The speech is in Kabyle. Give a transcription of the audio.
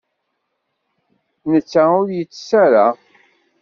Netta ur yettess ara.